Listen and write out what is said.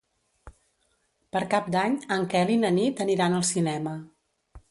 Per Cap d'Any en Quel i na Nit aniran al cinema.